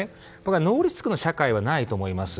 ノーリスクの社会はないと思います。